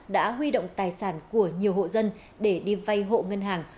đã huy động tài sản của nhiều hộ dân để đi vay hộ ngân hàng